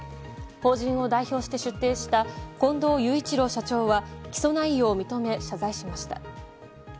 法人を代表として出廷した近藤雄一郎社長は起訴内容を認め、謝罪しました。